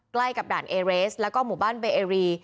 ใกล้กับด่านเอเรสแล้วก็หมู่บ้านเบเอรี